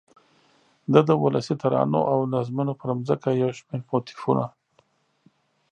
دده د ولسي ترانو او نظمونو پر ځمکه یو شمېر موتیفونه